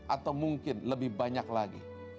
atau mungkin lebih banyak lagi